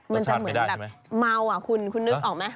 มันจะเหมือนแบบเมาอ่ะคุณคุณนึกออกไหม